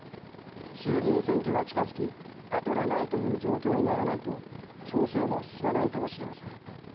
衆議院選挙が近づき後がないという状況にならないと調整も進まないかもしれません。